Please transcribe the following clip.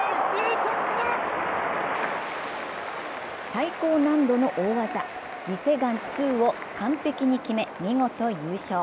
最高難度の大技、リ・セグァン２を完璧に決め、見事優勝。